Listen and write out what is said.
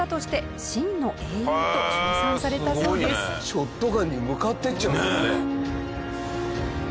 ショットガンに向かっていっちゃうんだもんね。